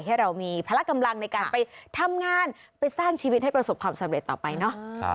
ให้เรามีพละกำลังในการไปทำงานไปสร้างชีวิตให้ประสบความสำเร็จต่อไปเนอะ